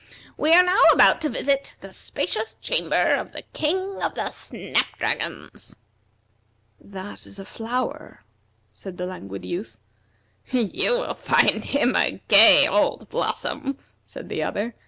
"We are now about to visit the spacious chamber of the King of the Snap dragons." "That is a flower," said the Languid Youth. "You will find him a gay old blossom," said the other.